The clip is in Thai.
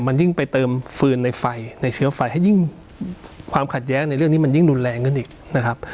มันยิ่งไปเติมฟืนในไฟในเชื้อไฟให้ยิ่งความขัดแย้งในเรื่องนี้มันยิ่งรุนแรงขึ้นอีกนะครับ